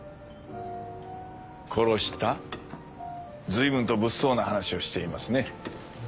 ・随分と物騒な話をしていますね。